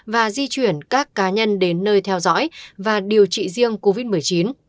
và di chuyển các cá nhân đến nơi theo dõi và điều trị riêng covid một mươi chín